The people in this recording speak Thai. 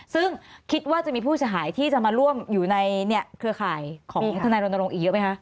ซึ่งคิดว่าจะมีผู้เสียหายที่จะมาร่วมอยู่ในเครือข่ายของทนายรณรงค์อีกเยอะไหมคะ